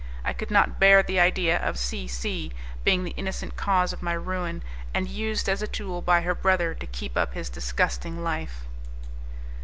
I could not bear the idea of C C being the innocent cause of my ruin, and used as a tool by her brother to keep up his disgusting life.